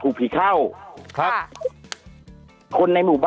คุณติเล่าเรื่องนี้ให้ฮะ